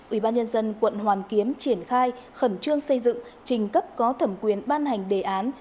ủy ban nhân dân quận hoàn kiếm triển khai khẩn trương xây dựng trình cấp có thẩm quyền ban hành đề án